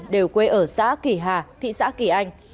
đều quê ở xã kỳ hà thị xã kỳ anh